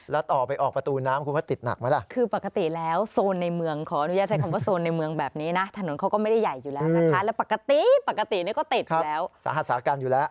แล้วต่อไปออกประตูน้ำคุณเขาติดหนักมั้ยล่ะ